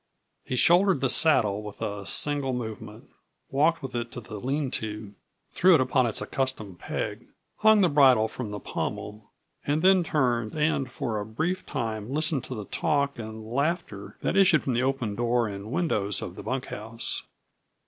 He shouldered the saddle with a single movement, walked with it to the lean to, threw it upon its accustomed peg, hung the bridle from the pommel, and then turned and for a brief time listened to the talk and laughter that issued from the open door and windows of the bunkhouse.